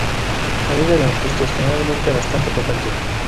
Anida en arbustos, generalmente a bastante poca altura.